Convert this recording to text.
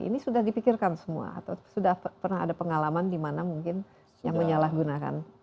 ini sudah dipikirkan semua atau sudah pernah ada pengalaman dimana mungkin yang menyalahgunakan